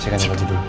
saya ganti baju dulu